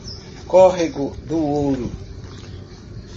Córrego do Ouro